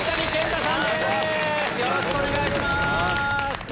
よろしくお願いします。